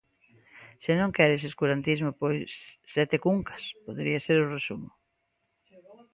Se non queres escurantismo pois sete cuncas, podería ser o resumo.